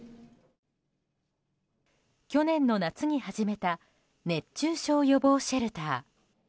去年の夏に始めた熱中症予防シェルター。